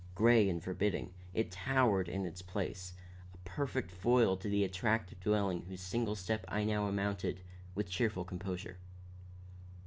Gray and forbidding, it towered in its place, a perfect foil to the attractive dwelling whose single step I now amounted with cheerful composure.